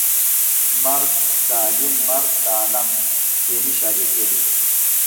مرګ د عالم مرګ د عالم دیني شالید لري